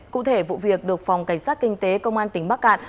cụ thể vụ việc được phòng cảnh sát kinh tế công an tỉnh bắc cạn